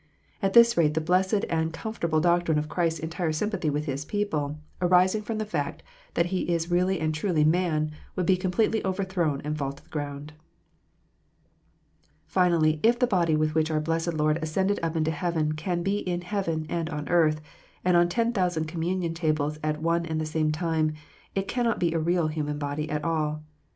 At this rate the blessed and com fortable doctrine of Christ s entire sympathy with His people, arising from the fact that He is really and truly man, would be completely overthrown and fall to the ground. .Finally, if the body with which our blessed Lord ascended up into heaven can be in heaven, and on earth, and on ten thousand communion tables at one and the same time, it cannot be a real human body at all.